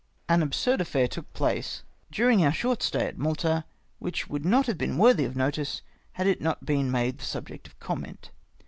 An absurd aiTair took place during our short stay at Malta, which would not have been worthy of notice, had it not been made the subject of comment.